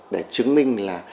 để chứng minh là